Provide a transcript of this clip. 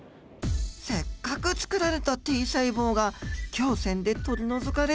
せっかくつくられたＴ細胞が胸腺で取り除かれる。